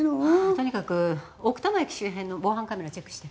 とにかく奥多摩駅周辺の防犯カメラチェックして。